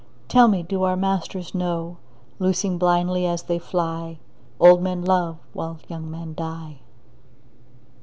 Tell me, do our masters know, Loosing blindly as they fly, Old men love while young men die?